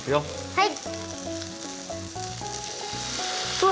はい！